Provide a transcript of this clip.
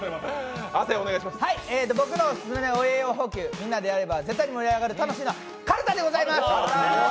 僕のオススメの私の栄養補給、みんなでやれば絶対に盛り上がる、カルタでございます。